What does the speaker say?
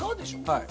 はい。